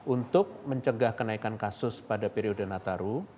untuk mencegah kenaikan kasus pada periode nataru